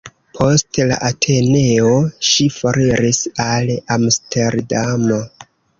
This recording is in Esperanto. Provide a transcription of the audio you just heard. Post la Ateneo ŝi foriris al Amsterdamo.